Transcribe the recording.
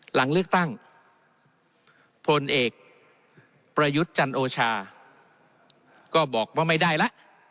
หลังเลือกตั้งพลเอกประยุทธ์จันโอชาก็บอกว่าไม่ได้ละ